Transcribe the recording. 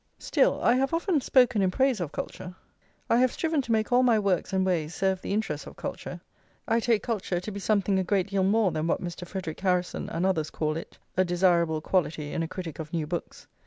Still, I have often spoken in praise of culture; I have striven to make all my works and ways serve the interests of culture; I take culture to be something a great deal more than what Mr. Frederic Harrison and others call it: "a desirable quality in a critic of new books."